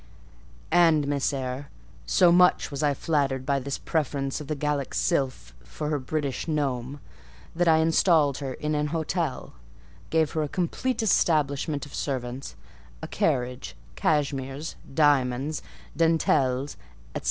"And, Miss Eyre, so much was I flattered by this preference of the Gallic sylph for her British gnome, that I installed her in an hotel; gave her a complete establishment of servants, a carriage, cashmeres, diamonds, dentelles, &c.